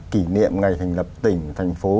kỷ niệm ngày thành lập tỉnh thành phố